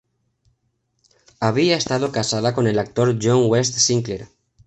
Había estado casada con el actor John West Sinclair.